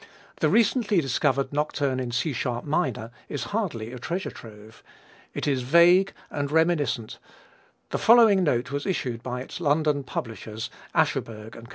The recently discovered nocturne in C sharp minor is hardly a treasure trove. It is vague and reminiscent The following note was issued by its London publishers, Ascherberg & Co.